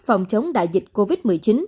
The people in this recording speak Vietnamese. phòng chống đại dịch covid một mươi chín